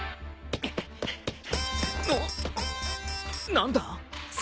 何だ？